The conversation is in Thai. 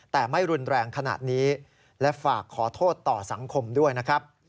แต่ไม่รุนแรงขนาดนี้และฝากขอโทษต่อสังคมด้วยนะครับ